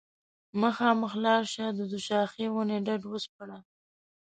مخامخ لاړه شه د دوشاخې ونې ډډ وسپړه